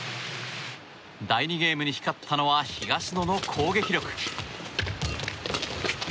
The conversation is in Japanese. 第２ゲームに光ったのは東野の攻撃力。